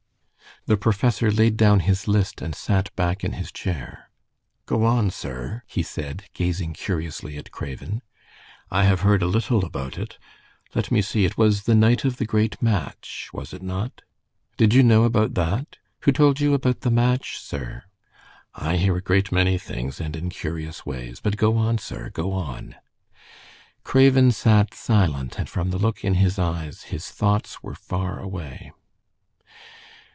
The professor laid down his list and sat back in his chair. "Go on, sir," he said, gazing curiously at Craven. "I have heard a little about it. Let me see, it was the night of the great match, was it not?" "Did you know about that? Who told you about the match, sir?" "I hear a great many things, and in curious ways. But go on, sir, go on." Craven sat silent, and from the look in his eyes his thoughts were far away.